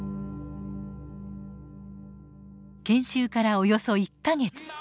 研修からおよそ１か月。